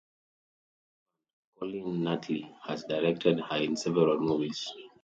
Her husband, Colin Nutley, has directed her in several movies.